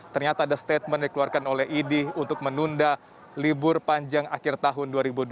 ternyata ada statement dikeluarkan oleh idi untuk menunda libur panjang akhir tahun dua ribu dua puluh